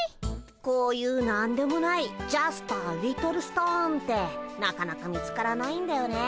こういう何でもないジャストアリトルストーンってなかなか見つからないんだよね。